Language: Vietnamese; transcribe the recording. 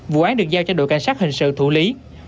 vụ án được giao cho đội cảnh sát hình sự thủ lý